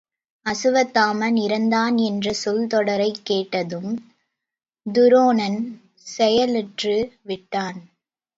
அசுவத்தாமன் இறந்தான் என்ற சொல் தொடரைக் கேட்டதும் துரோணன் செயலற்று விட்டான்.